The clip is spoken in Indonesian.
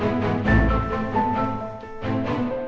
seperti apa ya mamanya al